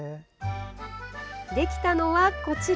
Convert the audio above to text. できたのは、こちら。